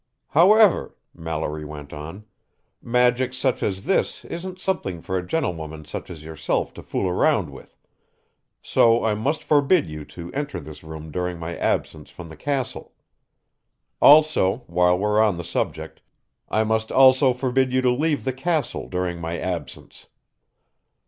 "However," Mallory went on, "magic such as this isn't something for a gentlewoman such as yourself to fool around with, so I must forbid you to enter this room during my absence from the castle. Also, while we're on the subject, I must also forbid you to leave the castle during my absence.